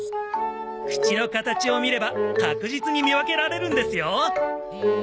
口の形を見れば確実に見分けられるんですよ！